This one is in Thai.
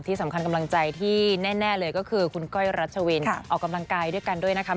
กำลังใจที่แน่เลยก็คือคุณก้อยรัชวินออกกำลังกายด้วยกันด้วยนะคะ